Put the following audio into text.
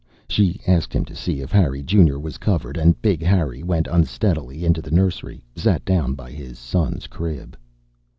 She asked him to see if Harry Junior was covered, and Big Harry went unsteadily into the nursery, sat down by his son's crib.